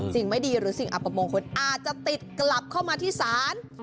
สิ่งไม่ดีหรือสิ่งอัปมงคลอาจจะติดกลับเข้ามาที่ศาล